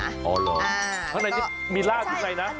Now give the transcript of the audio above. อ๋อเหรอข้างในนี้มีลาบอยู่ใส่นะ